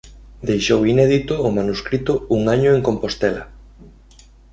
Deixou inédito o manuscrito "Un año en Compostela".